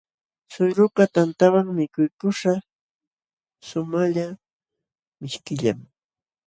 Śhuyrukaq tantantawan mikuykuśhqa shumaqlla mishkillam.